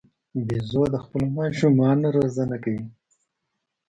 بیزو د خپلو ماشومانو روزنه کوي.